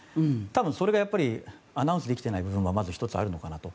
多分それがやっぱりアナウンスできてない部分がまず１つあるのかなと。